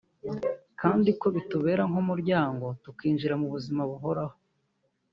kandi ko bitubera nk’umuryango tukinjira mu buzima buhoraho